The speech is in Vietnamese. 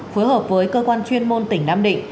phối hợp với cơ quan chuyên môn tỉnh nam định